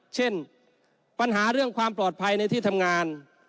เช่นปัญหาเรื่องความปลอดภัยในที่ทำงาน